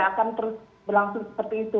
akan terus berlangsung seperti itu